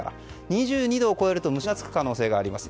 ２２度を超えると虫がつく可能性があります。